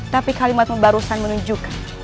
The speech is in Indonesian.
tapi kalimatmu barusan menunjukkan